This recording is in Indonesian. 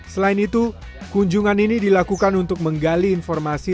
selain itu kunjungan ini dilakukan untuk menggali informasi